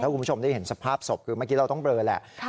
คุณผู้ชมได้เห็นสภาพศพคือเมื่อกี้เราต้องเบลอแหละ